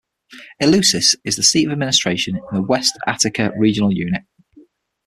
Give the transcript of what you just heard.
Eleusis is the seat of administration of West Attica regional unit.